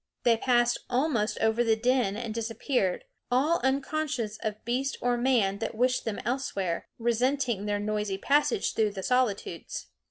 They passed almost over the den and disappeared, all unconscious of beast or man that wished them elsewhere, resenting their noisy passage through the solitudes.